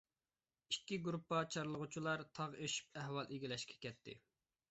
ئىككى گۇرۇپپا چارلىغۇچىلار تاغ ئېشىپ ئەھۋال ئىگىلەشكە كەتتى.